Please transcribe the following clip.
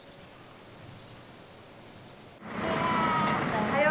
おはよう。